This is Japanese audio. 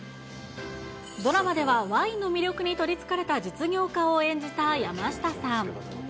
ドラマではワインの魅力に取りつかれた実業家を演じた山下さん。